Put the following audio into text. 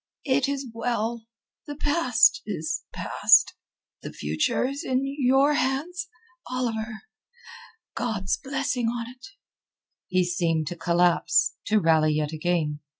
"It is well. The past is past. The future is in your hands, Oliver. God's blessing on't." He seemed to collapse, to rally yet again.